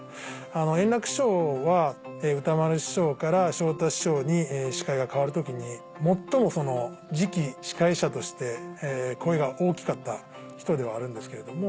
円楽師匠は歌丸師匠から昇太師匠に司会が変わる時に最も次期司会者として声が大きかった人ではあるんですけれども。